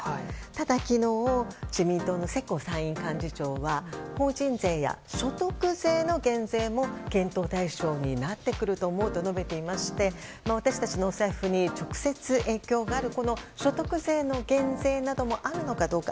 ただ、昨日自民党の世耕参院幹事長は法人税や所得税の減税も検討対象になってくると思うと述べていまして私たちのお財布に直接影響がある所得税の減税などもあるのかどうか。